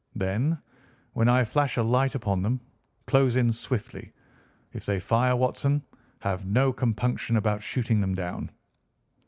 Then, when I flash a light upon them, close in swiftly. If they fire, Watson, have no compunction about shooting them down."